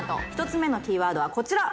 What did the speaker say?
１つ目のキーワードはこちら！